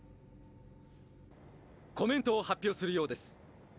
コメントを発表するようです。